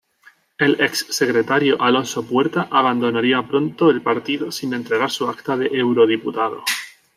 El ex-secretario Alonso Puerta abandonaría pronto el Partido sin entregar su acta de eurodiputado.